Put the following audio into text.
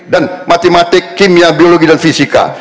dan matematik kimia biologi dan fisika